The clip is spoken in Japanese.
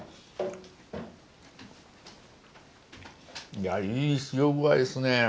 いやいい塩具合ですね。